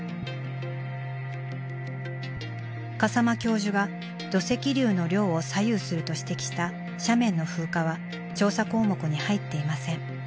笠間教授が土石流の量を左右すると指摘した斜面の風化は調査項目に入っていません。